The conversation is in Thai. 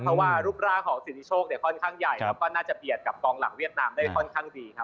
เพราะว่ารูปร่างของสิทธิโชคเนี่ยค่อนข้างใหญ่แล้วก็น่าจะเบียดกับกองหลังเวียดนามได้ค่อนข้างดีครับ